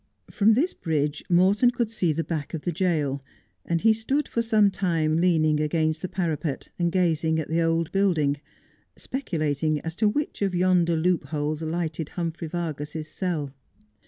From this bridge Morton could see the back of the jail, and he stood for some time leaning against the parapet, and gazing at the old building, speculating as to which of yonder loopholes lighted Humphrey Vargas's cell.